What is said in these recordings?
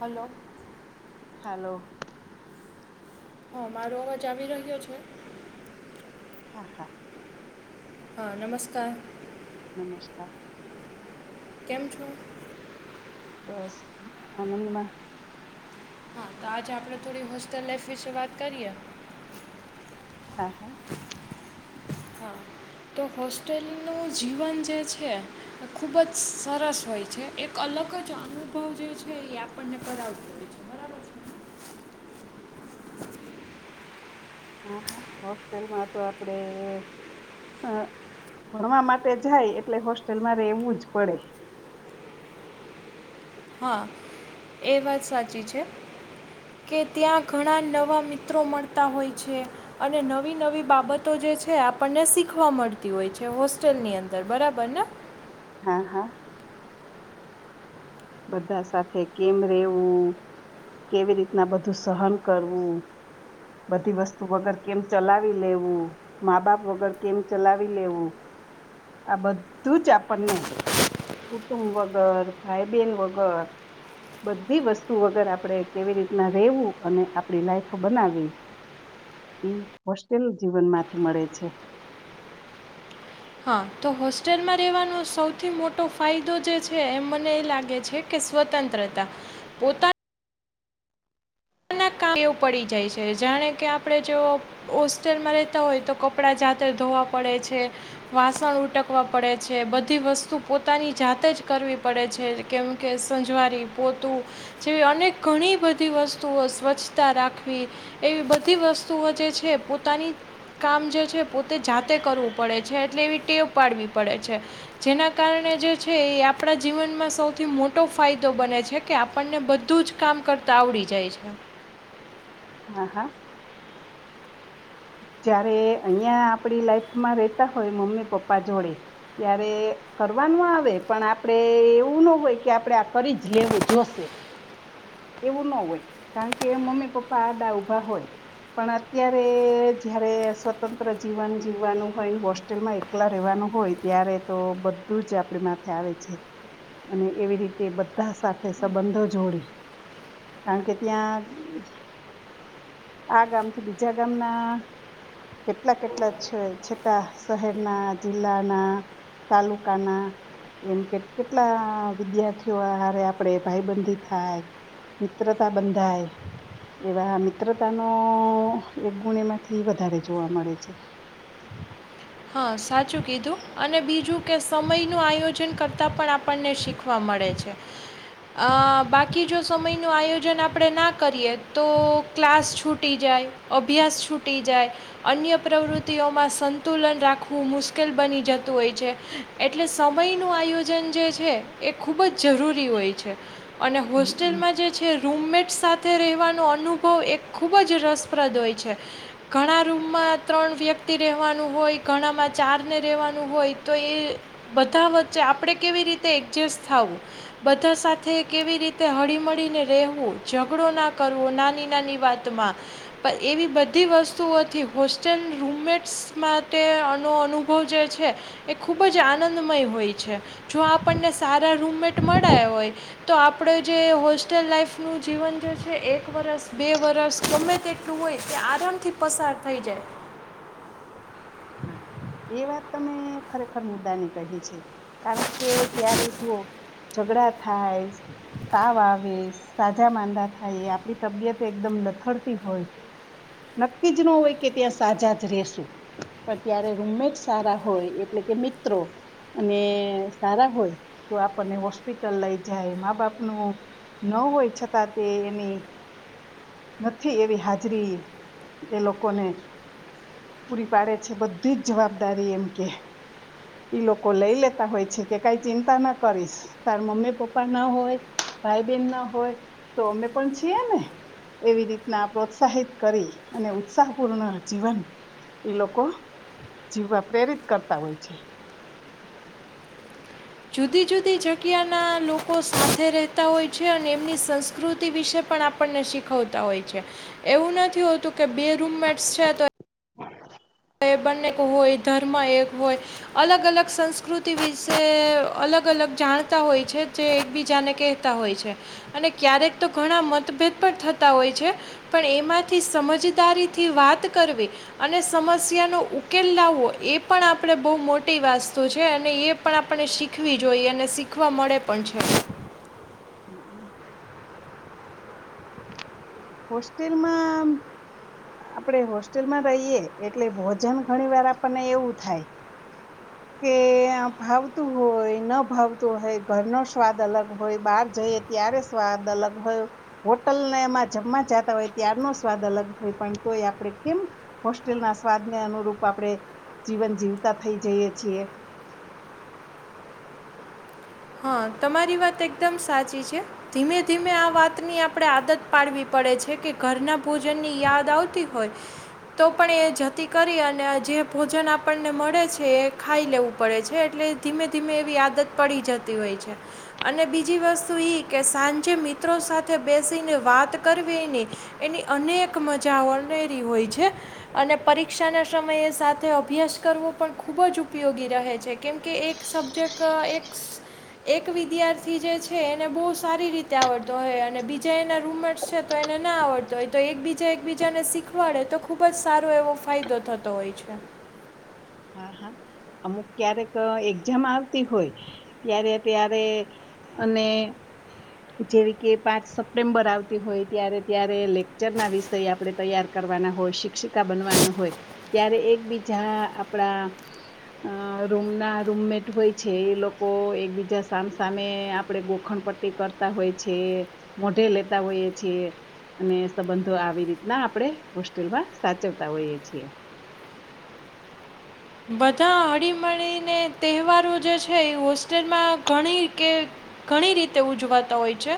Hello hello હા મારો અવાજ આવી રહ્યો છે હ હા હા નમસ્કાર નમસ્કાર કેમ છો બસ આનંદમાં હા તો આજે આપડે થોડી હોસ્ટેલ લાઈફ વિશે વાત કરીએ હા હા હા તો હોસ્ટેલનું જીવન જે છે એ ખૂબ જ સરસ હોય છે એક અલગ જ અનુભવ જે છે એ આપણને કરાવતોું હોય છે બરાબર છે હા હા હોસ્ટેલમાં તો આપડે ભ ભણવા માટે જાય એટલે હોસ્ટેલમાં રહેેવું જ પડે હા એ વાત સાચી છે કે ત્યાં ઘણા નવા મિત્રો મળતા હોય છે અને નવી નવી બાબતો જે છે આપણને શીખવા મળતી હોય છે હોસ્ટેલની અંદર બરાબર ને હા હા બધા સાથે કેમ રેવું કેવી રીતના બધું સહન કરવું બધી વસ્તુ વગર કેમ ચલાવી લેવું મા બાપ વગર કેમ ચલાવી લેવું આ બધું જ આપણને કુટુંબ વગર ભાઈ બેન વગર બધી વસ્તુ વગર આપણે કેવી રીતના રહેેવું અને આપડી લાઈફ બનાવી હોસ્ટેલ જીવનમાંથી મળે છે હા તો હોસ્ટેલમાં રહેેવાનો સૌથી મોટો ફાયદો જે છે એમ મને એ લાગે છે કે સ્વતંત્રતા પોતા એવું પડી જાય છે જાણે કે આપણે જો હોસ્ટેલમાં રહેેતા હોય તો કપડા જાતે ધોવા પડે છે વાસણ ઉટકવા પડે છે બધી વસ્તુ પોતાની જાતે જ કરવી પડે છે કેમકે સંજવારી પોતું જેવી અનેક ઘણી બધી વસ્તુઓ સ્વચ્છતા રાખવી એવી બધી વસ્તુઓ જે છે પોતાની કામ જે છે પોતે જાતે કરવું પડે છે એટલે એવી ટેવ પાડવી પડે છે જેના કારણે જે છે એ આપણા જીવનમાં સૌથી મોટો ફાયદો બને છે કે આપણને બધું જ કામ કરતાં આવડી જાય છે હા હા જયારે અહિયાં આપડી લાઈફમાં રેતા હોય મમ્મી પપ્પા જોડે ત્યારે કરવાનું આવે પણ આપડે એવું ના હોય કે આપડે આ કરી જ લેવું જોશે એવું ન હોય કારણ કે મમ્મી પપ્પા આડા ઉભા હોય પણ અત્યારે જયારે સ્વતંત્ર જીવન જીવવાનું હોય હોસ્ટેલમાં એકલા રહેવાનું હોય ત્યારે તો બધું જ આપડી માથે આવે છે અને એવી રીતે બધા સાથે સંબંધો જોડી કારણ કે ત્યાં આ ગામથી બીજા ગામના કેટલા કેટલા છે છેટા શહેરના જિલ્લાના તાલુકાના એમ કે કેટલા વિદ્યાર્થીઓ હારે આપણે ભાઈબંધી થાય મિત્રતા બંધાય એવા મિત્રતાનો એક ગુણમાંથી એ વધારે જોવા મળે છે. હા સાચું કીધું અને બીજું કે સમયનું આયોજન કરતાં પણ આપણને શીખવા મળે છે બાકી જો સમયનું આયોજન આપણે ના કરીએ તો ક્લાસ છૂટી જાય અભ્યાસ છૂટી જાય અન્ય પ્રવૃત્તિઓમાં સ તુલન રાખવું મુશ્કેલ બની જતું હોય છે એટલે સમયનું આયોજન જે છે એ ખૂબ જ જરૂરી હોય છે. અને હોસ્ટેલમાં જે છે રૂમમેટ સાથે રહેવાનો અનુભવ એક ખૂબ જ રસપ્રદ હોય છે. ઘણા રૂમમાં. ત્રણ વ્યક્તિ રહેવાના હોય ઘણામાં ચાર ને રહેવાનું હોય તો એ બધા વચ્ચે આપણે કેવી રીતે એડજસ્ટ થાવું બધા સાથે કેવી રીતે હળીમળીને રહેવું ઝઘડો ના કરવો નાની નાની વાતમાં પણ એવી બધી વસ્તુઓથી હોસ્ટેલ રૂમમેટ્સ માટેનો અનુભવ જે છે. એ ખૂબ જ આનંદમય હોય છે. જો આપણને સારા રૂમમેટ મળ્યા હોય તો આપણે જે હોસ્ટેલ લાઈફનું જીવન જે છે એક વરસ બે વરસ ગમે તેટલું હોય તે આરામથી પસાર થઈ જાય. હા એ વાત તમે ખરેખર મુદ્દા ની કહી છે કારણ કે ત્યારે જો ઝઘડા થાય તાવ આવે સાજા માંદા થાય આપણી તબિયત એકદમ લથડતી હોય નક્કી જ ન હોય કે ત્યાં સાજા જ રસું પણ ત્યારે રૂમમેટ સારા હોય એટલે કે મિત્રો અને સારા હોય તો આપણને હોસ્પિટલ લઇ જાય મા બાપનું ન હોય છતાં તે એની નથી એવી હાજરી એ લોકોને પૂરી પાડે છે બધ જ જવાબદારી એમ કે. લોકો લઈ લેતા હોય છે કે કઈ ચિંતા ના કરીશ તાર મમ્મી પપ્પા ના હોય ભાઈ બેન ના હોય તો અમે પણ છીએ ને એવી રીતના પ્રોત્સાહિત કરી અને ઉત્સાહપૂર્ણ જીવન ઈ લોકો જીવવા પ્રેરિત કરતા હોય છે. જુદી જુદી જગ્યાના લોકો સાથે રહેતા હોય છે અને એમની સંસ્કૃતિ વિશે પણ આપણને શીખવતા હોય છે એવું નથી હોતું કે બે રૂમમેટ્સ છે તો [inaudible] એ બંને હોય ધર્મ એક હોય અલગ અલગ સંસ્કૃતિ વિશે અલગ અલગ જાણતા હોય છે જે એક બીજા ને કતા હોય છે અને ક્યારેક તો ઘણા મતભેદ પણ થતા હોય છે પણ એમાંથી સમજદારીથી વાત કરવી અને સમ સમ્યા ન ઉકેલ લાવવો એ પણ આપણે બહ મોટી વાસ્તુ છે અને એ પણ આપણે શીખવી જોઈ અને શીખવા મળે પણ છે. [inaudible] હોસ્ટેલમાં આપડે હોસ્ટેલમાં રહીએ એટલે ભોજન ઘણી વાર આપણને એવું થાય. કે ભાવતું હોય ન ભાવતું હોય ઘરનો સ્વાદ અલગ હોય બહાર જઈએ ત્યારે સ્વાદ અલગ હોય હોટલ એમાં જમવા જતા હોય ત્યારનો સ્વાદ અલગ હોય પણ તોય આપણે કેમ હોસ્ટેલના સ્વાદને અનુરૂપ આપણે જીવન જીવતા થઈ જઈએ. છીએ. હા તમારી વાત એકદમ સાચી છે ધીમે ધીમે આ વાતની આપણે આદત પાડવી પડે છે કે ઘરના ભોજનની યાદ આવતી હોય તો પણ એ જતી કરી અને જે ભોજન આપણને મળે છે એ ખાઈ લેવું પડે છે એટલે ધીમે ધીમે એવી આદત પડી જતી હોય અને બીજી વસ્તુ કે સાંજે મિત્રો સાથે બેસીને વાત કરવીની એની અનેક મજા ઓરી હોય છે અને પરીક્ષાના સમયે સાથે અભ્યાસ કરવો પણ ખૂબ જ ઉપયોગી રહે છે કેમકે એક સબ્જેક્ટ એક એક વિદ્યાર્થી જે છે એને બહુ સારી રીતે આવડતો હોય અને બીજા એના રૂમર્સ છે તો એને ના આવડતો હોય તો એક બીજા એકબીજાને શીખવાડે તો ખુબ જ સારો એવો ફાયદો થતો હોય છે. હા હા અમુક ક્યારેક એક્ઝામ આવતી હોય ત્યારે ત્યારે અને જેવી કે પાંચ સપ્ટેમ્બર આવતી હોય ત્યારે ત્યારે લેકચર ના વિષય આપણે તૈયાર કરવાના હોય શિક્ષિકા બનવાનું હોય ત્યારે એકબીજા- આપણા રૂમ ના રૂમમેટ હોય છે એ લોકો એકબીજા સામ સામે આપે ગોખણ પટ્ટી કરતા હોય છે મોઢે લેતા હોઈએ છેએ અને સંબંધો આવી રીતના આપણે હોસ્ટેલમાં સાચવતા હોઈએ છીએ. બધા હળીમળીને તહેવારો જે છે એ હોસ્ટેલમાં ઘણી કે ઘણી રીતે ઉજવાતા હોય છે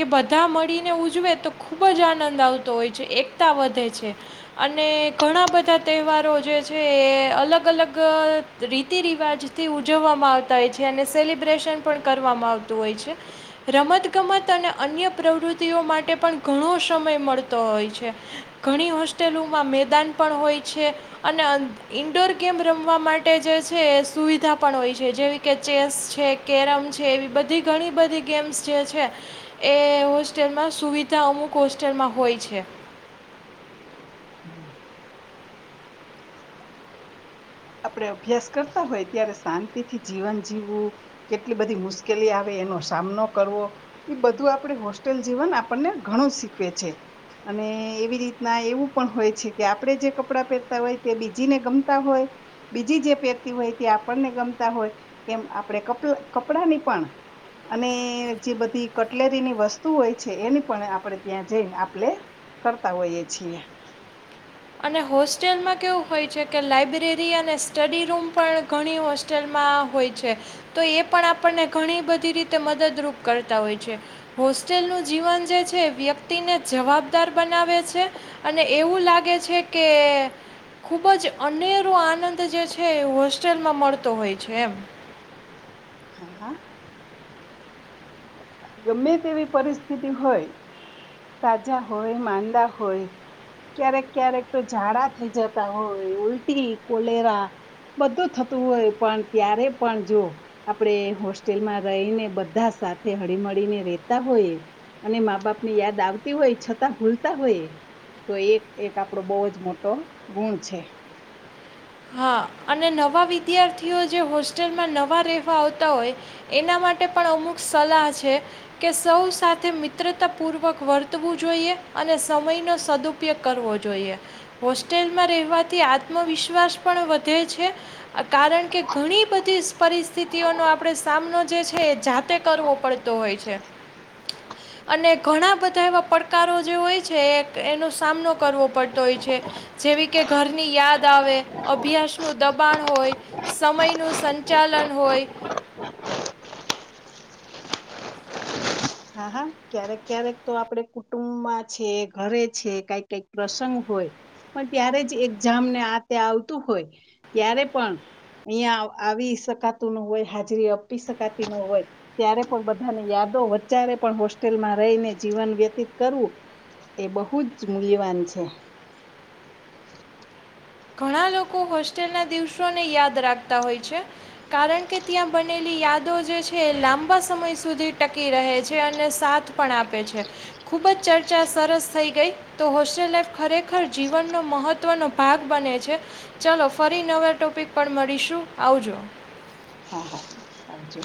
કે બધા મળીને ઉજવે તો ખૂબ જ આનંદ આવતો હોય છે એકતા વધે છે અને ઘણા બધા તહેવારો જે છે એ અલ અલગ-અલગ રીતિ રિવાજથી ઉજવવામાં આવતા હોય છે અને સેલિબ્રેશન પણ કરવામાં આવતું હોય છે રમતગમત અને અન્ય પ્રવૃત્તિઓ માટે પણ ઘણો સમય મળતો હોય છે ઘણી હોસ્ટેલોમાં મેદાન પણ હોય છે અને ઇન્ડોર ગેમ રમવા માટે જે છે સુવિધા પણ હોય છે જેવી કે ચેસ છે કેરમ છે એવી બધી ઘણી બધી ગેમ્સ જે છે, એ હોસ્ટેલમાં સુવિધા. અમુક હોસ્ટરમાં હોય છે. [unintelligible] આપણે અભ્યાસ કરતા હોય ત્યારે શાંતિ થી જીવન જીવવું કેટલી બધી મુશ્કેલી આવે એનો સામનો કરવો એ બધું આપણે હોસ્ટેલ જીવન આપણને ઘણું શીખવે છે અને એવી રીતના એવું પણ હોય છે કે આપણે જે કપડાં પહેરતા હોય તે બીજીને ગમતા હોય બીજી જે પહેરતા હોય, તે આપણને ગમતા હોય એમ આપણેપ કપડાની પણ, અને જે બધી કટલેરીની વસ્તુ હોય છે એની પણ, આપણે ત્યાં જઈને આપણે કરતા હોઈએ છીએ. અને હોસ્ટેલમાં કેવું હોય છે કે લાઇબ્રેરી અને સ્ટડી રૂમ પણ ઘણી હોસ્ટેલમાં હોય છે, તો એ પણ આપણને ઘણી બધી રીતે મદદરૂપ કરતા હોય છે. હોસ્ટેલનું જીવન જે છે, એ વ્યક્તિને જવાબદાર બનાવે છે અને એવું લાગે છે. છે કે ખૂબ જ અનેરો આનંદ જે છે, એ હોસ્ટેલમાં મળતો હોય છે એમ. હા હા. ગમે તેવી પરિસ્થિતિ હોય, તાજા હોય, માંદા હોય, ક્યારેક ક્યારેક તો ઝાડા થઈ જતા હોય, ઉલટી કોલેરા બધું થતું હોય, પણ ત્યારે પણ જો આપડે હોસ્ટેલમાં રહીને બધા સાથે હળીમળી ને રહેતા હોય અને મા બાપ ની યાદ આવતી હોય છતાં ભૂલતા હોય, તો એક એક આપડો બહુ જ મોટો ગુણ છે. હા, અને નવા વિદ્યાર્થીઓ જે હોસ્ટેલમાં નવા રહેવા આવતા હોય, એના માટે પણ અમુક સલાહ છે કે સૌ સાથે મિત્રતાપૂર્વક વર્તવું જોઈએ અને સમયનો સદુપયોગ કરવો જોઈએ. હોસ્ટેલમાં રહેવાથી આત્મવિશ્વાસ પણ વધે છે, કારણ કે ઘણી બધી પરિસ્થિતિઓનો આપણે સામનો જે છે, એ જાતે કરવો પડતો હોય છે. અને ઘણા બધા બધા એવા પડકારો જે હોય છે. એનો સામનો કરવો પડતો હોય છે, જેવી કે ઘરની યાદ આવે. નું દબાણ હોય, સમયનું સંચાલન હોય. [unintelligible] હા હા, ક્યારેક ક્યારેક તો આપણે કુટુંબમાં છે, ઘરે છે, કંઈ કંઈ પ્રસંગ હોય, પણ ત્યારે જ એ જામને આતે આવતું હોય, ત્યારે પણ અહીં આવી શકાતું ન હોય, હાજરી આપી શકાતી ન હોય, ત્યારે પણ બધાને યાદો બિચારે પણ હોસ્ટેલમાં રહીને જીવન વ્યતીત કરવું, એ બહુ જ મૂલ્યવાન છે. ઘણા લોકો હોસ્ટેલના દિવસોને યાદ રાખતા હોય છે, કારણ કે ત્યાં બનેલી યાદો જે છે, એ લાંબા સમય સુધી ટકી રહે છે અને સાથ પણ આપે છે. ખૂબ જ ચર્ચા સરસ થઈ ગઈ. તો હોસ્ટેલ લાાઈફ ખરેખર જીવનનો મહત્ત્વનો ભાગ બને છે. છે. ચાલો, ફરી નવા ટોપિક પણ મળીશું. આવજો. હા હા, આવજો.